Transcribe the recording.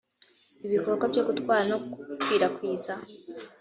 ibikorwa byo gutwara no gukwirakwiza